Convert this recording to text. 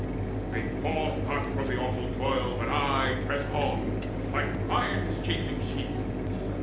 They paused not from the awful toil, But aye pressed on, like lions chasing sheep.